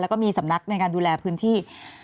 แล้วก็มีสำนักในการดูแลพื้นที่